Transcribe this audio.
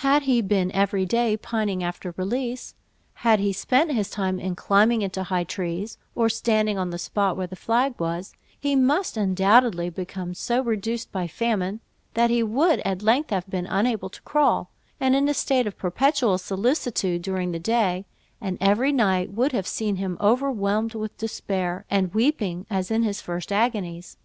Had he been every day pining after release, had he spent his time in climbing into high trees, or standing on the spot where the flag was, he must undoubtedly become so reduced by famine, that he would at length have been unable to crawl, and in a state of perpetual solicitude during the day; and every night would have seen him overwhelmed with despair, and weeping as in his first agonies.